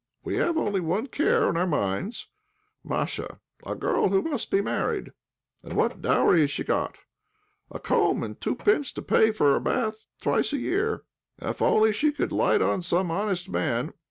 We have only one care on our minds Masha, a girl who must be married. And what dowry has she got? A comb and two pence to pay for a bath twice a year. If only she could light on some honest man!